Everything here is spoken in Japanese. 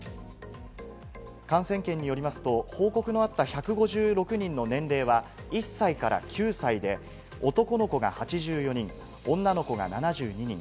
感染研によりますと報告のあった１５６人の年齢は１歳から９歳で、男の子が８４人、女の子が７２人。